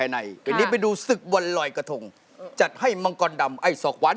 โหมดควรนำกับมองกวนฟ้าช่วกัน